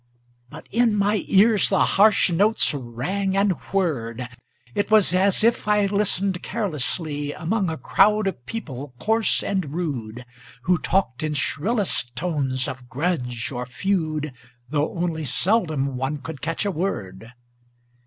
But in my ears the harsh notes rang and whirred; It was as if I listened carelessly Among a crowd of people coarse and rude, Who talked in shrillest tones of grudge or feud, Though only seldom one could catch a word.